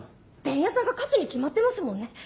伝弥さんが勝つに決まってますもんね。